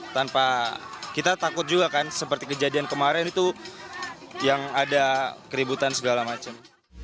tanpa kita takut juga kan seperti kejadian kemarin itu yang ada keributan segala macam